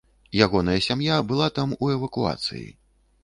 Ягоная сям'я была там у эвакуацыі.